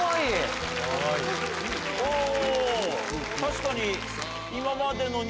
ほ確かに。